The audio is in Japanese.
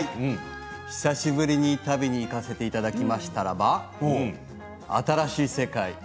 久しぶりに旅に行かせていただきましたが新しい世界